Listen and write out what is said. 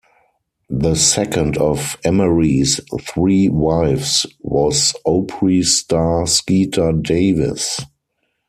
The second of Emery's three wives was Opry star Skeeter Davis.